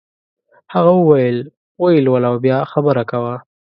هغه وویل ویې لوله او بیا خبره کوه.